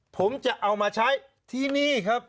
ผมจะเอามาใช้ที่นี่ครับ